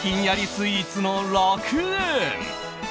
スイーツの楽園。